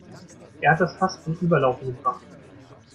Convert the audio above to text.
Er hat das Fass zum Überlaufen gebracht.